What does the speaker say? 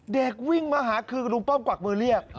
เด็กวิ่งมาหาคือลุงป้อมกวักมือเรียก